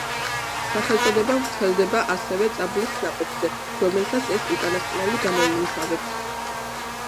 სახელწოდება ვრცელდება ასევე წაბლის ნაყოფზე, რომელსაც ეს უკანასკნელი გამოიმუშავებს.